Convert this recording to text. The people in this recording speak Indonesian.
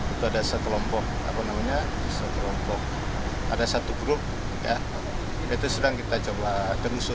itu ada satu kelompok ada satu grup itu sedang kita coba menelusuri